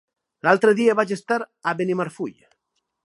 L'altre dia vaig estar a Benimarfull.